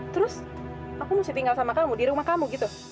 terus aku mesti tinggal sama kamu di rumah kamu gitu